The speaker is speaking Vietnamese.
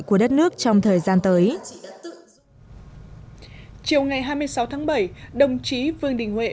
của đất nước trong thời gian tới chiều ngày hai mươi sáu tháng bảy đồng chí vương đình huệ